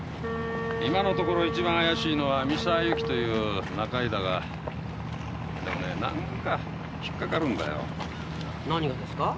今のところ一番怪しいのは三沢友紀という仲居だがでもね何か引っ掛かるんだよ何がですか？